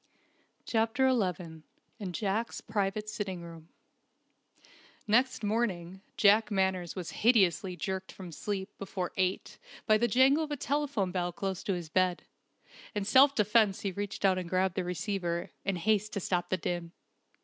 CHAPTER XI IN JACK'S PRIVATE SITTING ROOM Next morning Jack Manners was hideously jerked from sleep before eight by the jangle of a telephone bell close to his bed. In self defence he reached out and grabbed the receiver, in haste to stop the din.